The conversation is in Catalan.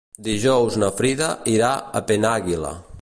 Dijous na Frida irà a Penàguila.